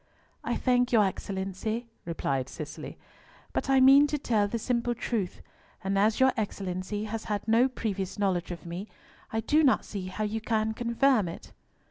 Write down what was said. "I thank your Excellency," replied Cicely, "but I mean to tell the simple truth; and as your Excellency has had no previous knowledge of me, I do not see how you can confirm it."